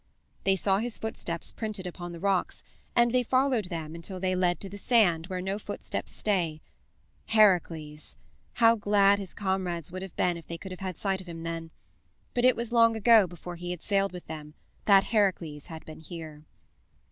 They saw his footsteps printed upon the rocks, and they followed them until they led to the sand where no footsteps stay. Heracles! How glad his comrades would have been if they could have had sight of him then! But it was long ago before he had sailed with them that Heracles had been here.